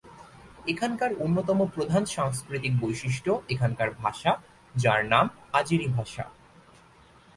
এখানকার অন্যতম প্রধান সাংস্কৃতিক বৈশিষ্ট্য এখানকার ভাষা, যার নাম আজেরি ভাষা।